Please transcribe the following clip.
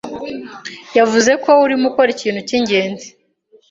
yavuze ko urimo ukora ikintu cyingenzi.